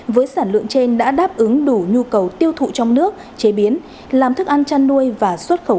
với sản lượng trên đã đáp ứng đủ nhu cầu tiêu thụ trong nước chế biến làm thức ăn chăn nuôi và xuất khẩu